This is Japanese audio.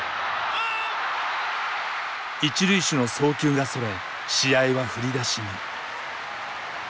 １塁手の送球がそれ試合は振り出しに。